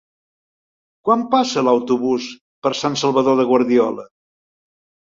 Quan passa l'autobús per Sant Salvador de Guardiola?